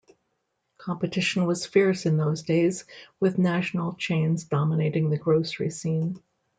Competition was fierce in those days with national chains dominating the grocery scene.